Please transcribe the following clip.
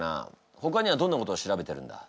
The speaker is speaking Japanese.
ほかにはどんなことを調べてるんだ？